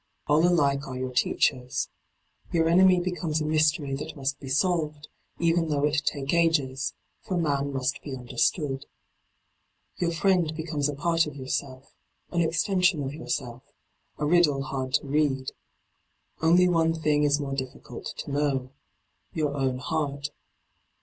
All alike are your teachers. Your enemy becomes a d by Google 32 LIGHT ON THE PATH mystery that must be solved, even though it take ages: for man must be understood. Your friend becomes a part of yourself, an extension of yourself, a riddle hard to read. Only one thing is more difficult to know — your own heart.